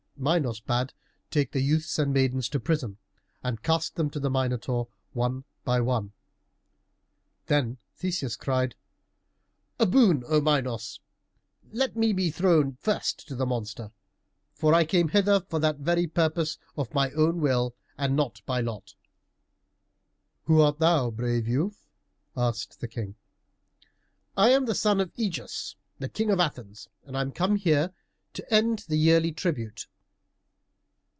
Minos bade take the youths and the maidens to prison, and cast them to the Minotaur one by one. Then Theseus cried, "A boon, O Minos! Let me be thrown first to the monster. For I came hither, for that very purpose, of my own will and not by lot." "Who art thou, thou brave youth?" asked the King. "I am the son of Ægeus, the King of Athens, and I am come here to end the yearly tribute."